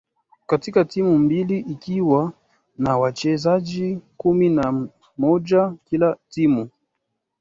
katika timu mbili ikiwa na wachezaji kumi na mmoja kila timu